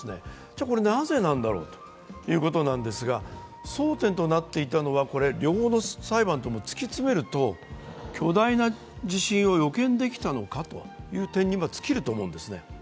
これ、なぜなんだろうということなんですが争点となっていたのは、両方の裁判とも突き詰めると、巨大な地震を予見できたのかという点に尽きると思うんですね。